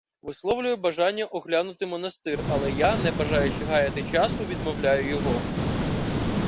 Висловлює бажання оглянути монастир, але я, не бажаючи гаяти часу, відмовляю його.